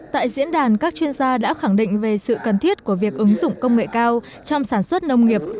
tại diễn đàn các chuyên gia đã khẳng định về sự cần thiết của việc ứng dụng công nghệ cao trong sản xuất nông nghiệp